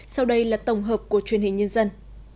sau đây là tổng hợp của truyền hình nhân dân